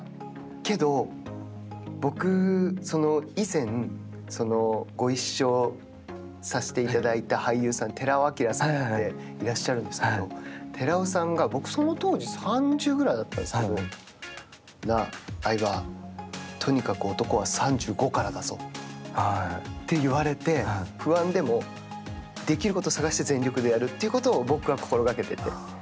けど、僕、以前、ご一緒させていただいた俳優さん、寺尾聰さんっていらっしゃるんですけれども、寺尾さんが、僕、その当時、３０ぐらいだったんですけど、なあ、相葉、とにかく男は３５からだぞと言われて、不安でも、できること探して全力でやるということを僕は心がけていて。